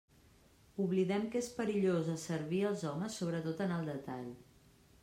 Oblidem que és perillós asservir els homes sobretot en el detall.